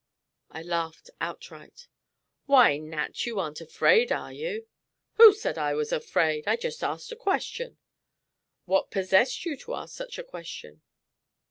I laughed outright. "Why, Nat, you ain't afraid, are you?" "Who said I was afraid? I just asked a question." "What possessed you to ask such a question?"